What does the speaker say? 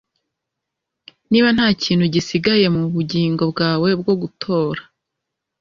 Niba nta kintu gisigaye mu bugingo bwawe bwo gutora